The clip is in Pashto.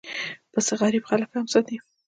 پسه غریب خلک هم ساتي.